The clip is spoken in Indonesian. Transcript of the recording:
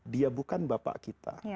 dia bukan bapak kita